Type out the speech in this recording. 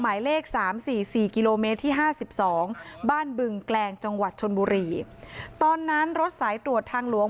หมายเลข๓๔๔กิโลเมตรที่๕๒บ้านบึงแกลงจังหวัดชนบุรีตอนนั้นรถสายตรวจทางหลวง